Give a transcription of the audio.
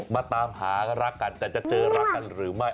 มาตามหารักกันแต่จะเจอรักกันหรือไม่